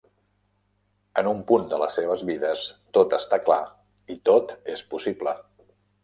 En un punt de les seves vides, tot està clar i tot és possible.